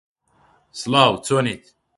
He later served as general counsel.